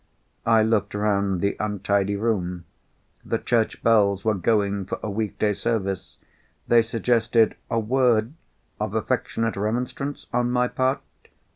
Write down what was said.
I looked round the untidy room. The church bells were going for a week day service; they suggested a word of affectionate remonstrance on my part.